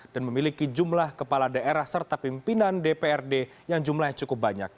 dan memiliki jumlah kepala daerah serta pimpinan dprd yang jumlahnya cukup banyak